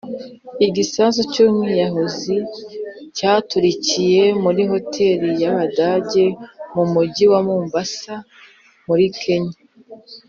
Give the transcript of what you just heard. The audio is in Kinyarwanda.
Igisasu cy’umwiyahuzi cyaturikiye muri hotel y’abayahudi mu mujyi wa Mombasa muri Kenya